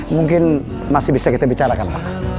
mungkin masih bisa kita bicarakan pak